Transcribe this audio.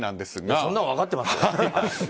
そんなの分かってますよ！